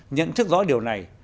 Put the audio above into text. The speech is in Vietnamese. nhận thức rõ điều này